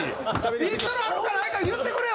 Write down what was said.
「イントロあるかないか言ってくれよ」